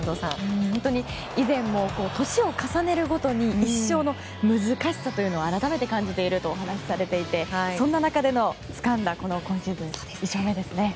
本当に以前も年を重ねるごとに一勝の難しさというのを改めて感じているとお話しされていて、そんな中でつかんだ今シーズン１勝目です。